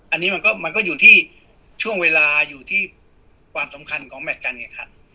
อันนี้มันก็อยู่ที่ช่วงเวลาอยู่ที่ความสำคัญของแมทการแข่งขัน